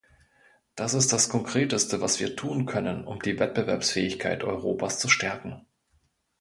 Das ist das Konkreteste, was wir tun können, um die Wettbewerbsfähigkeit Europas zu stärken.